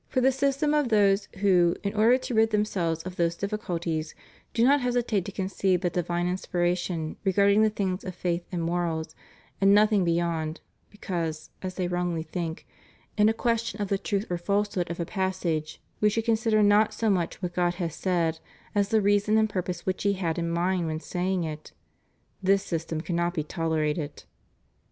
For the system of those who, in order to rid themselves of those difficulties, do not hesitate to concede that divine inspiration regards the things of faith and morals, and nothing beyond, because (as they wrongly think) in a question of the truth or falsehood of a passage we should consider not so much what God has said as the reason and purpose which He had in mind when sa^dng it — this system cannot be tolerated.